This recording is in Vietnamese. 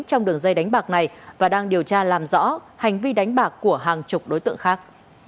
trong đường dây đánh bạc này và đang điều tra làm rõ hành vi đánh bạc của hàng chục đối tượng khác